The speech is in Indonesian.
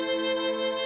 pesek air papi